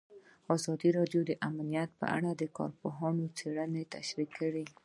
ازادي راډیو د امنیت په اړه د پوهانو څېړنې تشریح کړې.